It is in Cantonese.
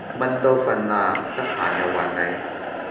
蚊都瞓喇，得閒又搵你